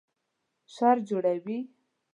شر جوړوي